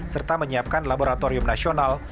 serta menyiapkan laboratorium nasional